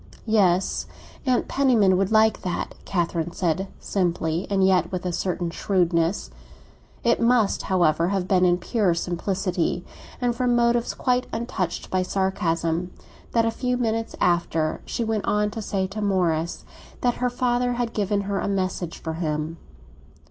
"Yes, Aunt Penniman would like that," Catherine said simply—and yet with a certain shrewdness. It must, however, have been in pure simplicity, and from motives quite untouched by sarcasm, that, a few moments after, she went on to say to Morris that her father had given her a message for him.